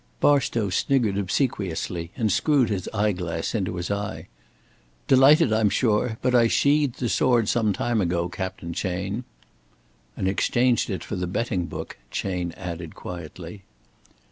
Barstow sniggered obsequiously and screwed his eye glass into his eye. "Delighted, I am sure. But I sheathed the sword some time ago, Captain Chayne." "And exchanged it for the betting book," Chayne added, quietly.